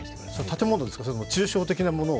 建物ですか、それとも抽象的なものを？